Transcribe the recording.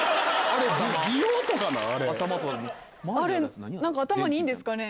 あれなんか頭にいいんですかね？